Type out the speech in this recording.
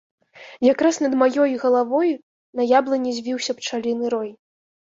Якраз над маёй галавой на яблыні звіўся пчаліны рой.